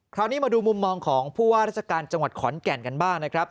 คราวนี้มาดูมุมมองของผู้ว่าราชการจังหวัดขอนแก่นกันบ้างนะครับ